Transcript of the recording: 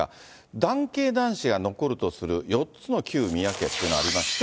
男系男子が残るとする、４つの旧宮家っていうのがありまして。